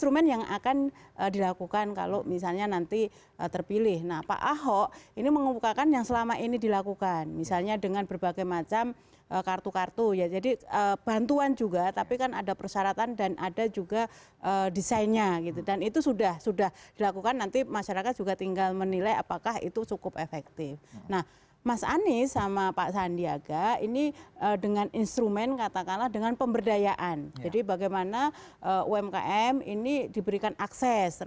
teman teman media yang meliput pun juga menandatangani fakta integritas